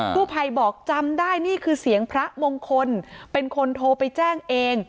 ผู้ภัยบอกจำได้นี่คือเสียงพระมงคลเป็นคนโทรไปแจ้งเอง